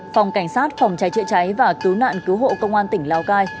phòng cảnh sát phòng cháy chữa cháy và cứu nạn cứu hộ công an tỉnh lào cai